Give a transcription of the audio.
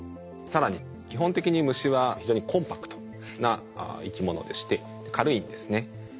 更に基本的に虫は非常にコンパクトな生き物でして軽いんですね。